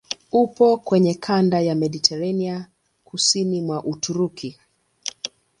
Upo kwenye kanda ya Mediteranea kusini mwa Uturuki.